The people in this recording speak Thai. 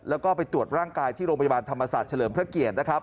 แล้วก็ไปตรวจร่างกายที่โรงพยาบาลธรรมศาสตร์เฉลิมพระเกียรตินะครับ